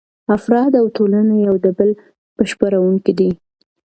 افراد او ټولنه یو د بل بشپړونکي دي.